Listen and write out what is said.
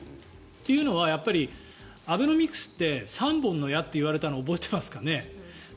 というのはアベノミクスって３本の矢と言われたの覚えていますかね。